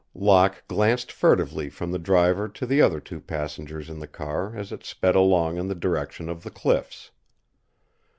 Locke glanced furtively from the driver to the other two passengers in the car as it sped along in the direction of the cliffs.